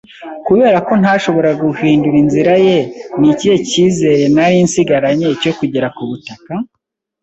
kubera ko ntashoboraga guhindura inzira ye, ni ikihe cyizere nari nsigaranye cyo kugera ku butaka?